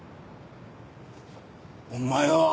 お前は！